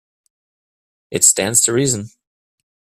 It stands to reason.